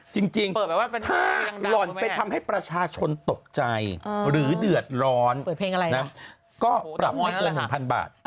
จริงถ้าหล่อนไปทำให้ประชาชนตกใจหรือเดือดร้อนอะไรนะก็ปรับไม่เกิน๑๐๐บาท